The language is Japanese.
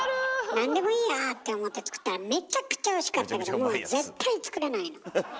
何でもいいやって思って作ったらめちゃくちゃおいしかったけどもう絶対作れないの。